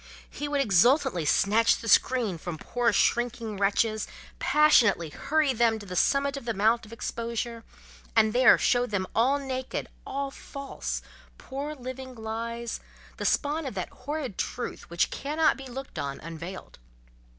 he would exultantly snatch the screen from poor shrinking wretches, passionately hurry them to the summit of the mount of exposure, and there show them all naked, all false—poor living lies—the spawn of that horrid Truth which cannot be looked on unveiled.